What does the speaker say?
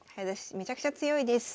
めちゃくちゃ強いです。